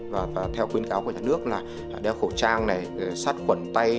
và theo khuyến cáo của nhà nước là đeo khẩu trang này sát khuẩn tay